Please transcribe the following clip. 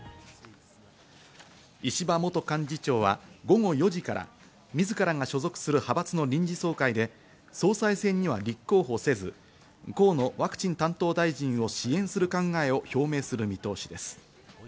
石破元幹事長は午後４時から自らが所属する派閥の臨時総会で総裁選には立候補せず、河野ワクチン担当大臣を支援する考えを表明する見通しです。